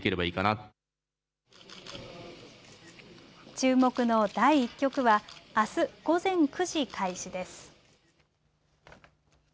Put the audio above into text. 注目の第１局はあす、午前９時開始です。